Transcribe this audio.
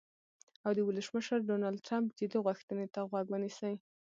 او د ولسمشر ډونالډ ټرمپ "جدي غوښتنې" ته غوږ ونیسي.